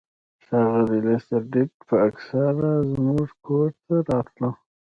ښاغلی لیسټرډ به اکثر زموږ کور ته راتلو.